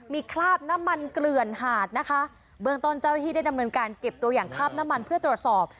มีคราบน้ำมันเกลื่อนหาดนะคะเบื้องต้นเจ้าหน้าที่ได้ดำเนินการเก็บตัวอย่างคราบน้ำมันเพื่อตรวจสอบ